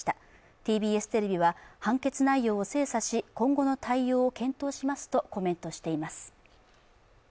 ＴＢＳテレビは判決内容を精査し今後の対応を検討しますとコメントしています。